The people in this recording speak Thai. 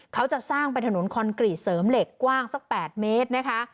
เขาจะสร้างเป็นถนนคอนกรีตเสริมเหล็กกว้างสัก๘เมตรนะคะ